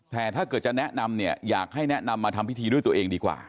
แต่ถ้าเกิดจะแนะนำเนี่ยอยากให้แนะนำมาทำพิธีด้วยตัวเองดีกว่า